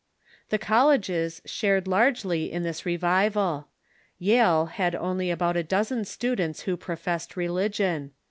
The colleges shared largely in this revival. Yale had only about a dozen students who professed religion.